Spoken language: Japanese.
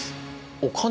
お金？